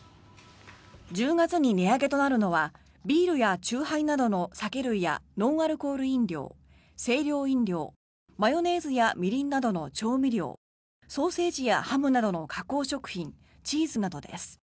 １０月に値上げとなるのはビールや酎ハイなどの酒類やノンアルコール飲料清涼飲料マヨネーズやみりんなどの調味料ソーセージやハムなどの加工食品チーズなどです。